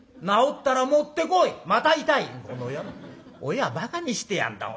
親ばかにしてやんだ本当。